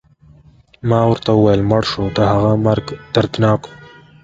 ما ورته وویل: مړ شو، د هغه مرګ دردناک و.